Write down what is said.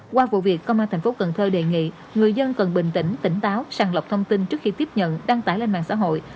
qua vụ việc công an thành phố cần thơ đề nghị người dân cần bình tĩnh tỉnh táo sàng lọc thông tin trước khi tiếp nhận đăng tải lên mạng xã hội